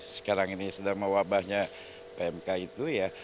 sekarang ini sedang mewabahnya pmk itu ya